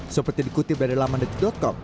seperti dikutip dari laman detik com